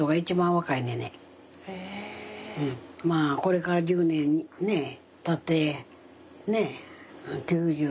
これから１０年ねたって９０。